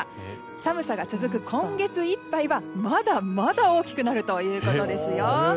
寒さが続く今月いっぱいはまだまだ大きくなるということですよ。